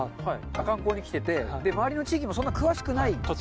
観光に来てて、周りの地域にもそんなに詳しくない。